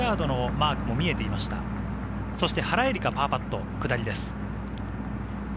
そして原英莉花のパーパット、下りです。